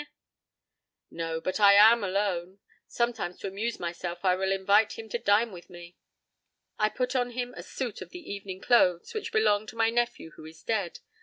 p> "No, but I am alone. Sometimes to amuse myself I will invite him to dine with me. I put on him a suit of the evening clothes which belong to my nephew who is dead.